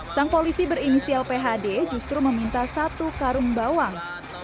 sang polisi berinisial phd justru meminta satu karung bawang